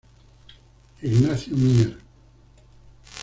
Ignacio Mier.